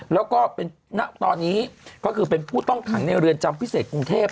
แล้วก็เป็นณตอนนี้ก็คือเป็นผู้ต้องขังในเรือนจำพิเศษกรุงเทพ